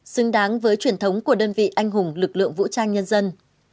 xứng đáng với truyền thống của đơn vị anh hùng lực lượng vũ trang nhân dân